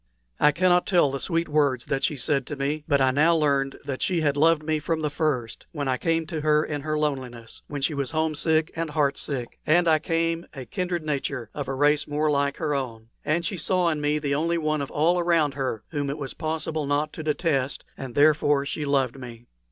I cannot tell the sweet words that she said to me; but I now learned that she had loved me from the first when I came to her in her loneliness, when she was homesick and heartsick; and I came, a kindred nature, of a race more like her own; and she saw in me the only one of all around her whom it was possible not to detest, and therefore she loved me.